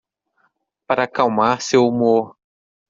Para acalmar seu humor